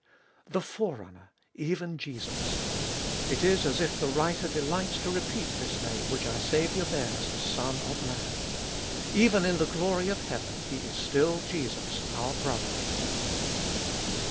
The Forerunner, even Jesus ! It is as if the writer delights to repeat this name which our Saviour bears as Son of Man. Even in the glory of heaven He is still Jesus, our Brother.